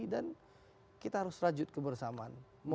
dan kita harus rajut kebersamaan